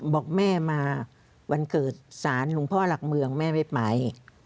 บอกแม่มาวันเกิดสารหลวงพ่อหลักเมืองแม่ไม่ไป